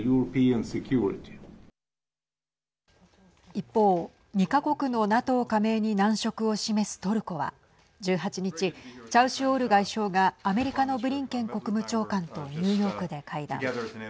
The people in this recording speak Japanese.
一方、２か国のＮＡＴＯ加盟に難色を示すトルコは１８日、チャウシュオール外相がアメリカのブリンケン国務長官とニューヨークで会談。